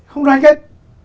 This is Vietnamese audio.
không đoàn kết